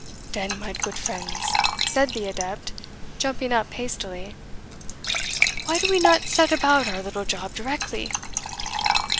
"Den, mine goot friends," said the adept, jumping up hastily, "why do we not set about our little job directly?"